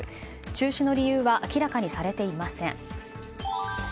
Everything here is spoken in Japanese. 中止の理由は明らかにされていません。